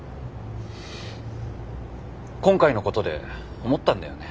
今回のことで思ったんだよね。